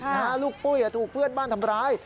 ลูกปุ้ยถูกเพื่อนบ้านทำร้าย